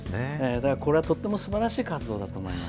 だからこれはとってもすばらしい活動だと思います。